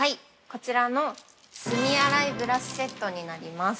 こちらの隅洗いブラシセットになります。